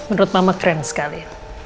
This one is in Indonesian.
menurut mama keren sekali